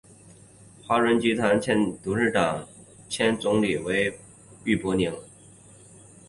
华润集团的现任董事长兼总经理为傅育宁。